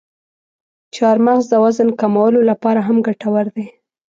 چارمغز د وزن کمولو لپاره هم ګټور دی.